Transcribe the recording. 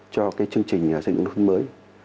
cho chương trình xây dựng nông thôn mới